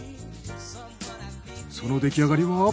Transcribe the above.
その出来上がりは。